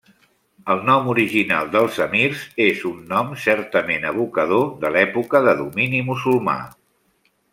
El nom original dels Emirs és un nom certament evocador de l'època de domini musulmà.